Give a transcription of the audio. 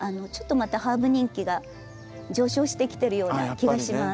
またハーブ人気が上昇してきてるような気がします。